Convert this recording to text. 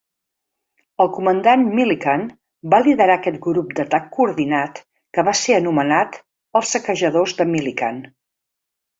El comandant Millican va liderar aquest grup d'atac coordinat, que va ser anomenat "Els Saquejadors de Millican".